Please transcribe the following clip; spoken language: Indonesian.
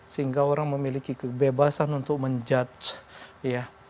sehingga orang memiliki kebebasan untuk menjudge ya